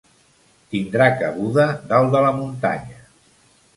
Tindrà cabuda dalt de la muntanya.